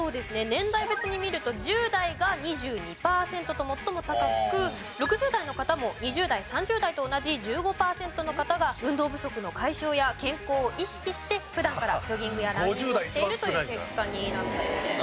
年代別に見ると１０代が２２パーセントと最も高く６０代の方も２０代３０代と同じ１５パーセントの方が運動不足の解消や健康を意識して普段からジョギングやランニングをしているという結果になったようです。